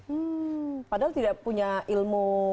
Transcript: hmm padahal tidak punya ilmu